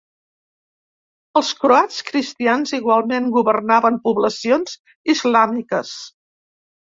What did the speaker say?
Els croats cristians igualment governaven poblacions islàmiques.